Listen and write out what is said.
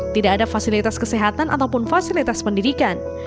tidak ada fasilitas kesehatan ataupun fasilitas pendidikan